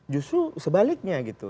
justru sebaliknya gitu